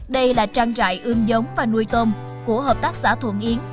đây là trang trại ương giống và nuôi tôm của hợp tác xã thuận yến